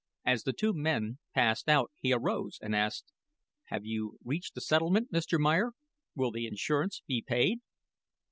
As the two men passed out he arose and asked: "Have you reached a settlement, Mr. Meyer? Will the insurance be paid?"